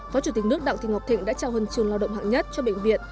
phó chủ tịch nước đặng thị ngọc thịnh đã trao hân trường lao động hạng nhất cho bệnh viện